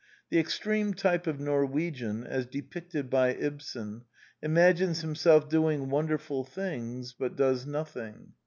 The extreme type of Norwegian, as depicted by Ibsen, imagines himself doing won derful things, but does nothing.